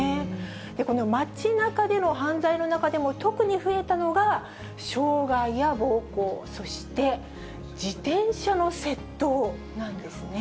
この街なかでの犯罪の中でも特に増えたのが、傷害や暴行、そして自転車の窃盗なんですね。